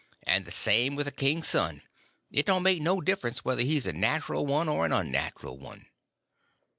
And the same with a king's son; it don't make no difference whether he's a natural one or an unnatural one."